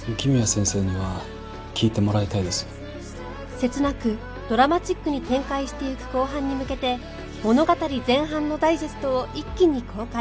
切なくドラマチックに展開していく後半に向けて物語前半のダイジェストを一気に公開